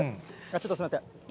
ちょっとすみません。